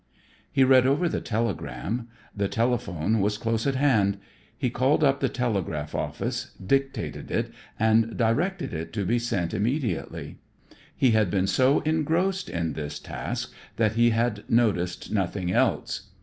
He read over the telegram. The telephone was close at hand. He called up the telegraph office, dictated it and directed it to be sent immediately. He had been so engrossed in this task that he had noticed nothing else.